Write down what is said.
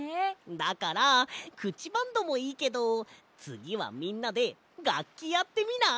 だからくちバンドもいいけどつぎはみんなでがっきやってみない？